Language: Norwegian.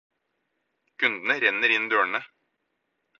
Kundene renner inn dørene.